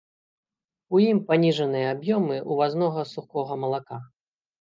У ім паніжаныя аб'ёмы ўвазнога сухога малака.